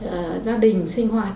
khi về gia đình sinh hoạt